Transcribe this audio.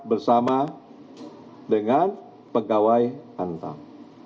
bersama dengan pegawai hantam